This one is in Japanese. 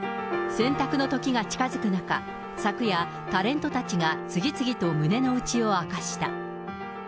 選択のときが近づく中、昨夜、タレントたちが次々と胸の内を明かした。